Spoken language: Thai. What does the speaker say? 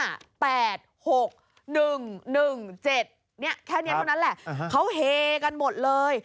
แค่เงียบตรงนั้นแหละเขาเหกันหมดเลย